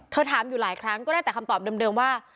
ถามอยู่หลายครั้งก็ได้แต่คำตอบเดิมว่า